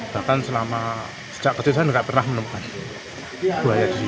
bahkan selama sejak kecil saya tidak pernah menemukan buaya di sini